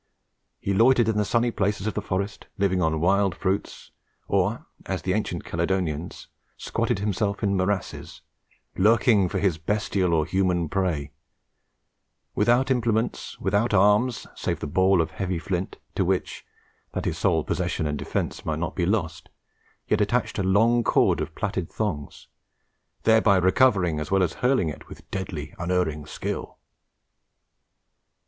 He loitered in the sunny glades of the forest, living on wild fruits; or, as the ancient Caledonians, squatted himself in morasses, lurking for his bestial or human prey; without implements, without arms, save the ball of heavy flint, to which, that his sole possession and defence might not be lost, he had attached a long cord of plaited thongs; thereby recovering as well as hurling it with deadly, unerring skill."